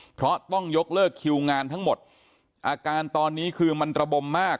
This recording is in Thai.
เพราะต้องยกเลิกคิวงานทั้งหมดอาการตอนนี้คือมันระบมมาก